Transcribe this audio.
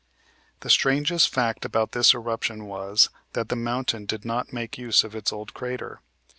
"The strangest fact about this eruption was, that the mountain did not make use of its old crater.